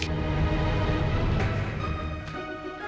ya hati hati dong